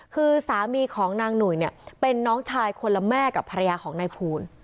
คือสามีของนางหนุ่ยเนี่ยเป็นน้องชายคนละแม่กับภรรยาของนายภูล